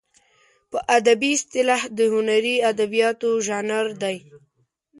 په ادبي اصطلاح د هنري ادبیاتو ژانر دی.